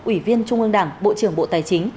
ủy viên trung ương đảng bộ trưởng bộ tài chính